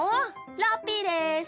ラッピーです！